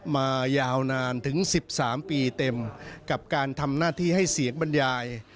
มายาวนานถึง๑๓ปีเต็มกับการทำหน้าที่ให้เสียงบรรยาย